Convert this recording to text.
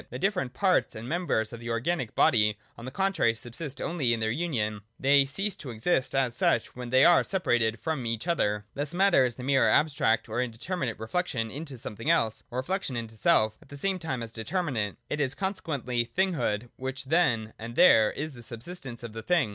The different parts and members of an organic body on the contrary subsist only in their union : they cease to exist as such, when they are separated from each other. 127.] Thus Matter is the mere abstract or indetermi nate reflection into something else, or reflection into self at the same time as determinate; it is consequently Thinghood which then and there is, — the subsistence of the thing.